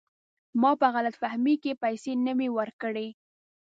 ما په غلط فهمۍ کې پیسې نه وې ورکړي.